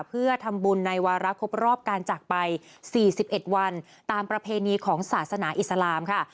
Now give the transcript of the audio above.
เพื่อทำบุญในวาระครบรอบการจากไป๔๑วันตามประเพณีของศาสนาอิสลามค่ะ